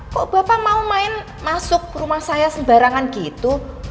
kok bapak mau main masuk rumah saya sembarangan gitu